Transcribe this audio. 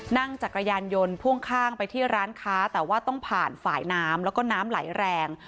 จักรยานยนต์พ่วงข้างไปที่ร้านค้าแต่ว่าต้องผ่านฝ่ายน้ำแล้วก็น้ำไหลแรง